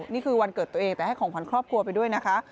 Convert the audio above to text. นี่คือวันเกิดตัวเองแต่ให้ของขวัญครอบครัวไปด้วยนะคะ